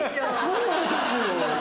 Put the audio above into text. そうだよ。